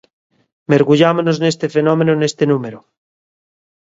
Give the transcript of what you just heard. Mergullámonos neste fenómeno neste número.